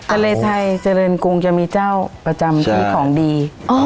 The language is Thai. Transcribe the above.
เจรนไทยเจรนกรุงยังมีเจ้าประจำที่มีของดี